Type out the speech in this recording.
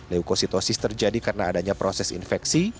leukositosis terjadi karena adanya proses infeksi